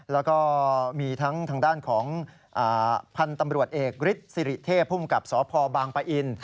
แล้วก็มีทั้งด้านของพันธบรวจเอกริศศิริเทพพศพบางปะอิน